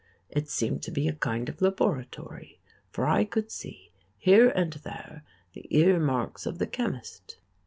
It seemed to be a kind of laboratory, for I could see here and there the earmarks of the chemist.